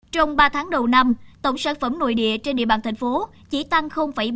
trong ba tháng đầu năm tổng sản phẩm nội địa trên địa bàn thành phố chỉ tăng bốn mươi